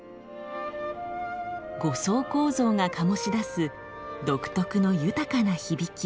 ５層構造が醸し出す独特の豊かな響き。